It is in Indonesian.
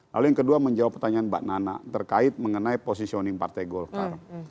lalu yang kedua menjawab pertanyaan mbak nana terkait mengenai positioning partai golkar